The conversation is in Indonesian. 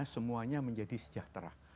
semuanya menjadi sejahtera